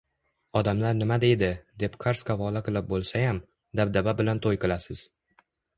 “Odamlar nima deydi”, deb qarz-qavola qilib bo‘lsayam, dabdaba bilan to‘y qilasiz.